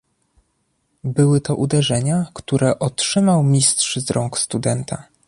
"Były to uderzenia, które otrzymał Mistrz z rąk studenta."